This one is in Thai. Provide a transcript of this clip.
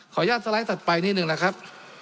อนุญาตสไลด์ถัดไปนิดนึงนะครับ